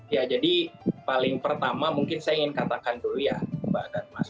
ya jadi paling pertama mungkin saya ingin katakan dulu ya mbak dan mas